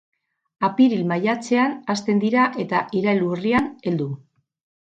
Apiril-maiatzean hasten dira eta iraila-urrian heldu.